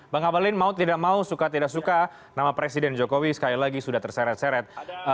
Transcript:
bang abalin mau tidak mau suka tidak suka nama presiden jokowi sekali lagi sudah terseret seret